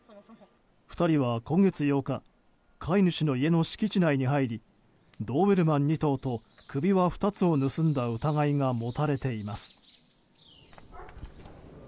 ２人は今月８日飼い主の家の敷地内に入りドーベルマン２頭と首輪２つを盗んだ疑いが持たれています。